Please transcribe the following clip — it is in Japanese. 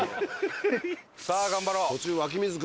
さあ頑張ろう。